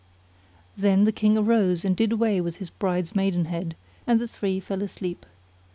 Then the King arose and did away with his bride's maidenhead and the three fell asleep.